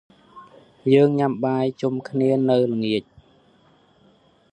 យើងញ៉ាំបាយជុំគ្នានៅល្ងាច។